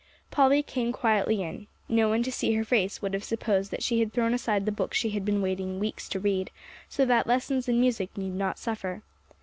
Polly came quietly in. No one to see her face would have supposed that she had thrown aside the book she had been waiting weeks to read, so that lessons and music need not suffer.